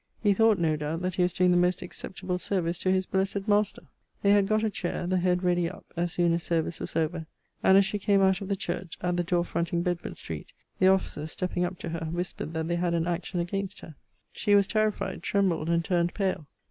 He thought, no doubt, that he was doing the most acceptable service to his blessed master. They had got a chair; the head ready up, as soon as service was over. And as she came out of the church, at the door fronting Bedford street, the officers, stepping up to her, whispered that they had an action against her. She was terrified, trembled, and turned pale.